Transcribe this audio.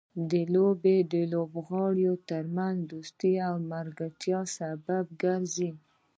لوبې د لوبغاړو ترمنځ دوستۍ او ملګرتیا سبب ګرځي.